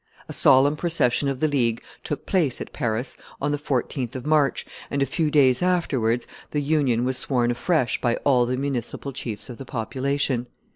A solemn procession of the League took place at Paris, on the 14th of March, and a few days afterwards the union was sworn afresh by all the municipal chiefs of the population.